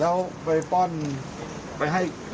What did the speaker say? แล้วไปป้อนไปให้